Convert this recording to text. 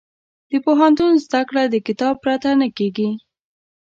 د پوهنتون زده کړه د کتاب پرته نه کېږي.